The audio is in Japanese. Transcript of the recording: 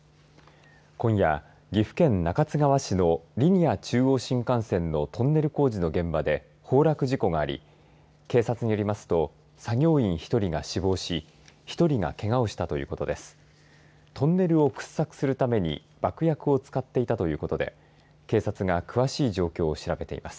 今夜、岐阜県中津川市のリニア中央新幹線のトンネル工事の現場で崩落事故があり警察によりますと作業員１人が死亡し１人がけがをしたということです。